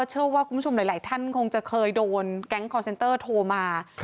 เชื่อว่าคุณผู้ชมหลายท่านคงจะเคยโดนแก๊งคอร์เซนเตอร์โทรมา